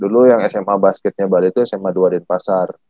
dulu yang sma basketnya bali itu sma dua denpasar